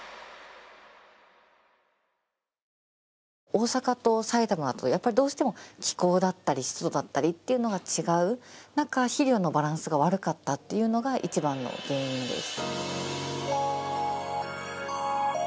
大阪と埼玉だとやっぱりどうしても気候だったり湿度だったりっていうのが違う中肥料のバランスが悪かったっていうのが一番の原因です。